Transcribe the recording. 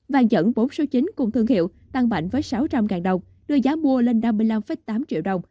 vàng nhẫn bốn số chín cùng thương hiệu tăng mạnh với sáu trăm linh đồng đưa giá mua lên năm mươi năm tám triệu đồng